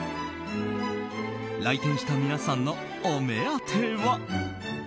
来店した皆さんのお目当ては。